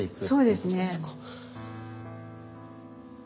そうですね。